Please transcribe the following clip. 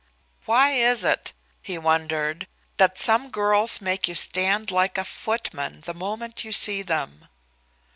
"Why is it," he wondered, "that some girls make you stand like a footman the moment you see them?"